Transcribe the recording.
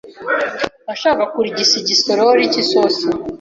washakaga kurigisa igisorori cy'isosi